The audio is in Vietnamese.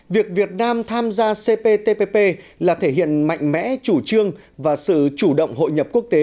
việc việt nam tham gia cptpp là thể hiện mạnh mẽ chủ trương và sự chủ động hội nhập quốc tế